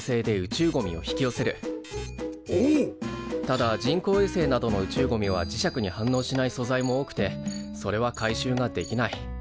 ただ人工衛星などの宇宙ゴミは磁石に反応しない素材も多くてそれは回収ができない。